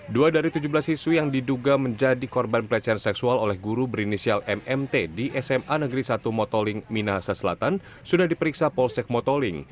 dua dari tujuh belas siswi yang diduga menjadi korban pelecehan seksual oleh guru berinisial mmt di sma negeri satu motoling minahasa selatan sudah diperiksa polsek motoling